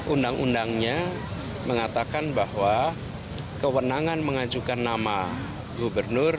undang undangnya mengatakan bahwa kewenangan mengajukan nama gubernur